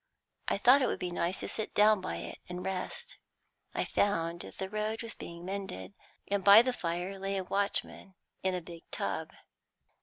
I thought it would be nice to sit down by it and rest. I found that the road was being mended, and by the fire lay a watchman in a big tub.